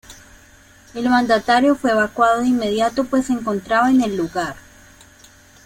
El mandatario fue evacuado de inmediato pues se encontraba en el lugar.